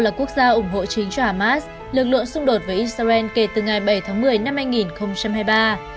là quốc gia ủng hộ chính cho hamas lực lượng xung đột với israel kể từ ngày bảy tháng một mươi năm hai nghìn hai mươi ba